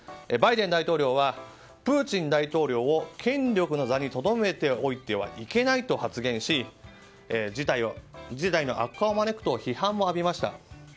バイデン大統領はプーチン大統領を権力の座にとどめておいてはいけないと発言し事態の悪化を招くと批判も浴びました。